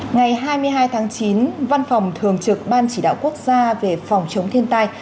ngày hai mươi hai tháng chín văn phòng thường trực ban chỉ đạo quốc gia về phòng chống thiên tai